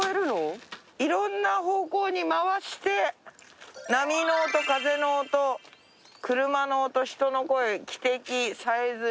いろんな方向に回して波の音風の音車の音人の声汽笛さえずり。